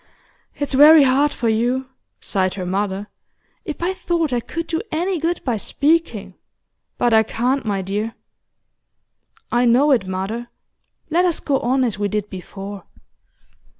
'It's very hard for you,' sighed her mother. 'If I thought I could do any good by speaking but I can't, my dear.' 'I know it, mother. Let us go on as we did before.